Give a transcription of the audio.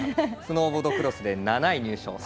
スノーボードクロスで７位入賞。